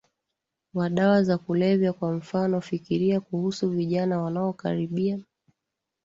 wa dawa za kulevya Kwa mfano fikiria kuhusu vijana wanaokaribia